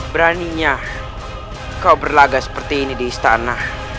beraninya kau berlaga seperti ini di istana